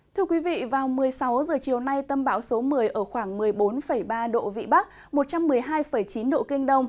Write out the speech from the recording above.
thưa quý vị vào một mươi sáu h chiều nay tâm bão số một mươi ở khoảng một mươi bốn ba độ vị bắc một trăm một mươi hai chín độ kinh đông